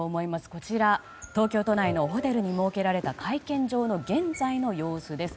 こちら、東京都内のホテルに設けられた会見場の現在の様子です。